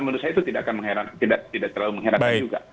menurut saya itu tidak akan mengheran tidak terlalu mengheran juga